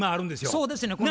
そうですねん。